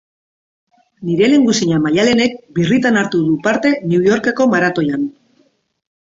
Nire lehengusina Maialenek birritan hartu du parte New Yorkeko maratoian.